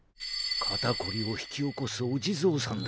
肩こりを引き起こすお地蔵さんだよ。